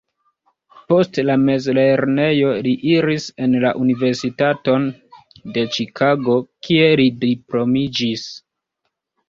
Post la mezlernejo li iris en la Universitaton de Ĉikago kie li diplomiĝis.